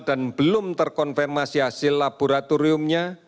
dan belum terkonfirmasi hasil laboratoriumnya